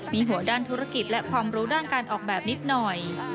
มีหัวด้านธุรกิจและความรู้ด้านการออกแบบนิดหน่อย